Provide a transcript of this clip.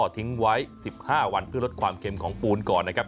ทิ้งไว้๑๕วันเพื่อลดความเค็มของปูนก่อนนะครับ